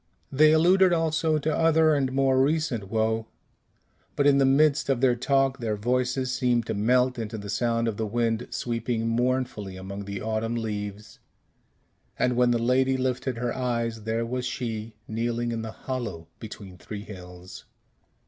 They alluded also to other and more recent woe, but in the midst of their talk their voices seemed to melt into the sound of the wind sweeping mournfully among the autumn leaves; and when the lady lifted her eyes, there was she kneeling in the hollow between three hills.